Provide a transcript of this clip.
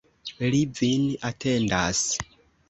Li vin atendas.